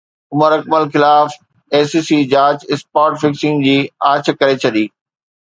عمر اڪمل خلاف I C C جاچ spot fixing جي آڇ ڪري ڇڏي